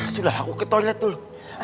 sudahlah aku ke toilet dulu